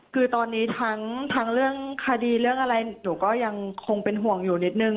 คือตอนนี้ทั้งเรื่องคดีเรื่องอะไรหนูก็ยังคงเป็นห่วงอยู่นิดนึง